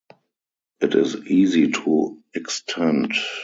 It is easy to extend.